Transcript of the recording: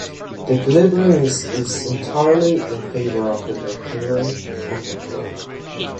This equilibrium is entirely in favor of the methylene compound.